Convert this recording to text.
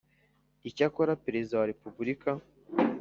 icyakora perezida wa repubulika